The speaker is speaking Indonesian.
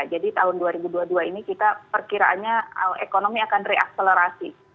jadi tahun dua ribu dua puluh dua ini kita perkiraannya ekonomi akan re accelerasi